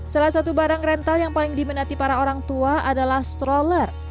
salah satu barang rental yang paling diminati para orang tua adalah stroller